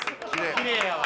きれいやわ。